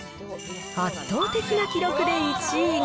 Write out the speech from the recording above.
圧倒的な記録で１位に。